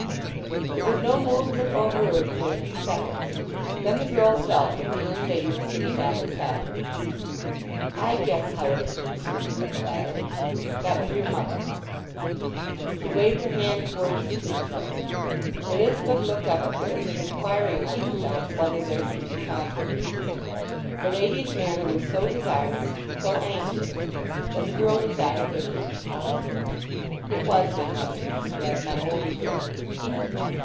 There was no movement or word for a few seconds; then the girl felt that the young lady was sitting down beside her. "I guess how it is with you," said the latter. "That was your mother." She waved her hand towards the tombstone. Elizabeth looked up at her as if inquiring of herself whether there should be confidence. The lady's manner was so desirous, so anxious, that the girl decided there should be confidence. "It was my mother," she said, "my only friend."